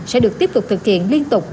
sẽ được tiếp tục thực hiện liên tục